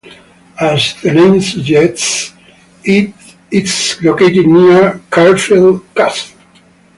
As the name suggests, it is located near Caerphilly Castle.